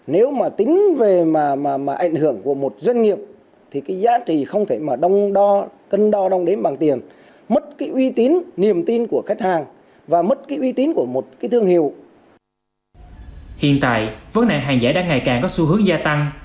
hiện tại vấn đề hàng giả đang ngày càng có xu hướng gia tăng